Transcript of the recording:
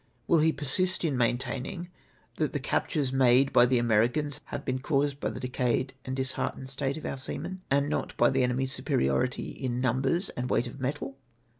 Will he persist in still maintaining that the captures made by the Americans have been caused by the decayed and disheartened state of our seamen, and not Ijy the enemy's superiority in numbers and weight of metal